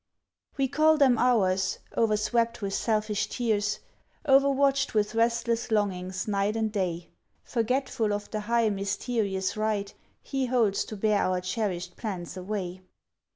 We call them ours, o'erwept with selfish tears, O'erwatched with restless longings night and day; Forgetful of the high, mysterious right He holds to bear our cherished plants away.